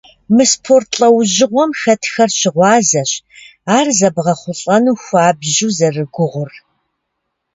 Мы спорт лӏэужьыгъуэм хэтхэр щыгъуазэщ ар зэбгъэхъулӏэну хуабжьу зэрыгугъур.